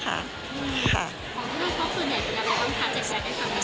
อ๋อเพราะส่วนใหญ่เป็นอะไรค่ะจะใช้ได้ทำอะไร